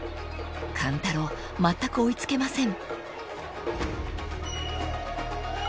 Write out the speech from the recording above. ［勘太郎まったく追い付けません］